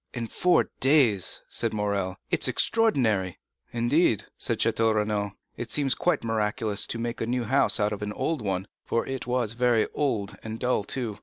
"In four days," said Morrel; "it is extraordinary!" "Indeed," said Château Renaud, "it seems quite miraculous to make a new house out of an old one; for it was very old, and dull too.